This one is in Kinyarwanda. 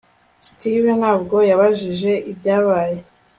steve ntabwo yabajije ibyabaye